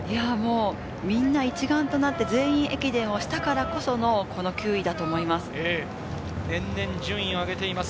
みんな一丸となって「全員駅伝」をしたからこその、この９位だと思います。